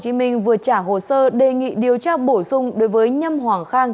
tòa án nhân dân tp hcm vừa trả hồ sơ đề nghị điều tra bổ sung đối với nhâm hoàng khang